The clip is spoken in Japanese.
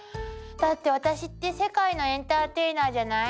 だって私って世界のエンターテイナーじゃない？